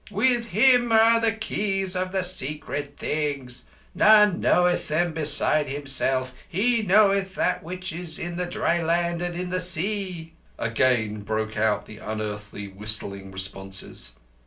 "_With Him are the keys of the Secret Things! None knoweth them besides Himself He knoweth that which is in the dry land and in the sea!_" Again broke out the unearthly whistling responses.